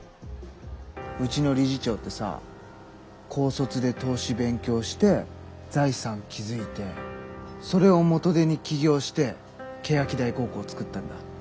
うちの理事長ってさ高卒で投資勉強して財産築いてそれを元手に起業して欅台高校つくったんだ。